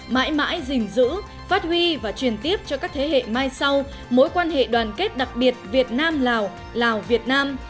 mãi mãi phát huy và truyền tiếp cho các thế hệ mai sau mối quan hệ đoàn kết đặc biệt việt nam lào lào việt nam